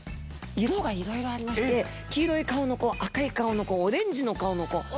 色がいろいろありまして黄色い顔の子赤い顔の子オレンジの顔の子。